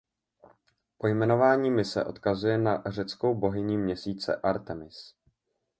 Pojmenování mise odkazuje na řeckou bohyni Měsíce Artemis.